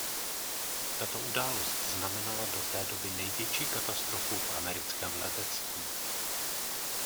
Tato událost znamenala do té doby největší katastrofu v americkém letectví.